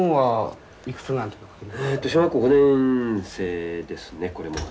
えっと小学校５年生ですねこれも。